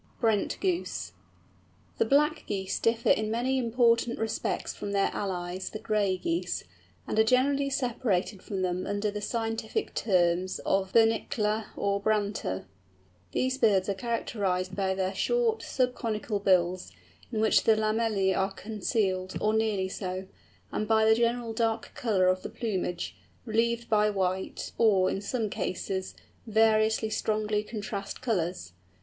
BRENT GOOSE. The "Black" Geese differ in many important respects from their allies the "Gray" Geese, and are generally separated from them under the scientific terms of Bernicla or Branta. These birds are characterised by their short, sub conical bills, in which the lamellæ are concealed, or nearly so, and by the general dark colour of the plumage, relieved by white, or, in some cases, various strongly contrasted colours.